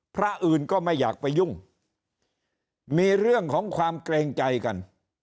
พระอื่นก็ไม่อยากไปยุ่งมีเรื่องของความเกรงใจกัน